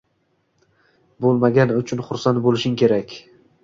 Bo‘lmagani uchun xursand bo‘lishing kerak”.